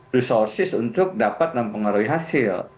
resources untuk dapat dan pengaruhi hasil